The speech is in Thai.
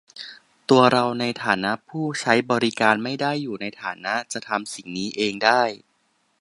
ตัวเราในฐานะผู้ใช้บริการไม่ได้อยู่ในฐานะจะทำสิ่งนี้เองได้